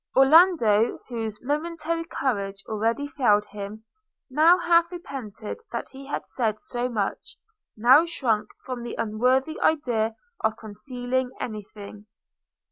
Orlando, whose momentary courage already failed him, now half repented that he had said so much – now shrunk from the unworthy idea of concealing any thing.